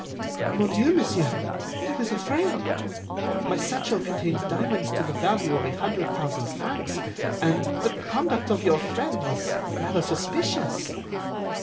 "Mon Dieu, monsieur, I was afraid. My satchel contains diamonds to the value of a hundred thousand francs, and the conduct of your friend was rather suspicious."